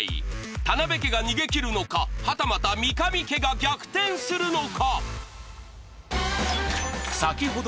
店部家が逃げきるのかはたまた三神家が逆転するのか！？